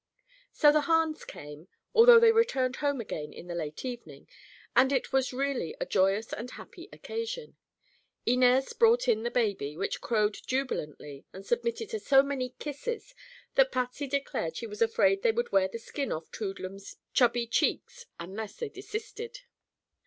So the Hahns came—although they returned home again in the late evening—and it was really a joyous and happy occasion. Inez brought in the baby, which crowed jubilantly and submitted to so many kisses that Patsy declared she was afraid they would wear the skin off Toodlum's chubby cheeks unless they desisted.